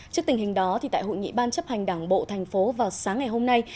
trước tình hình đó tại hội nghị ban chấp hành đảng bộ thành phố vào sáng ngày hôm nay